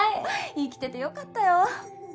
生きててよかったよ。